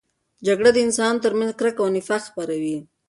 جګړه د انسانانو ترمنځ کرکه او نفاق خپروي.